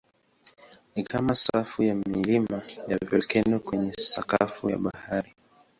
Ni kama safu ya milima ya volkeno kwenye sakafu ya bahari.